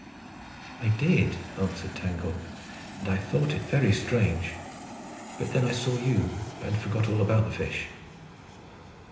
"I did," answered Tangle, "and I thought it very strange; but then I saw you, and forgot all about the fish."